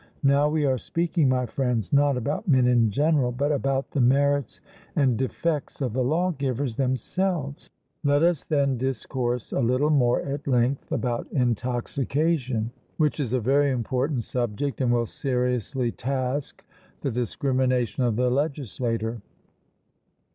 Now we are speaking, my friends, not about men in general, but about the merits and defects of the lawgivers themselves. Let us then discourse a little more at length about intoxication, which is a very important subject, and will seriously task the discrimination of the legislator.